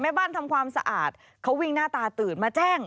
บ้านทำความสะอาดเขาวิ่งหน้าตาตื่นมาแจ้ง